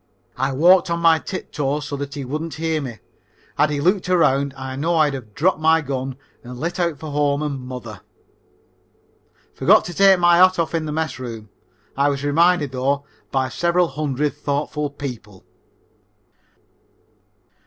I walked on my tip toes so that he wouldn't hear me. Had he looked around I know I'd have dropped my gun and lit out for home and mother. Forgot to take my hat off in the mess room. I was reminded, though, by several hundred thoughtful people.